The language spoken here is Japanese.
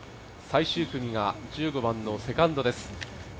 最終組が１５番のセカンドです。